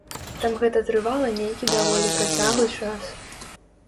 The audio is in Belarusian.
Там гэта трывала нейкі даволі працяглы час.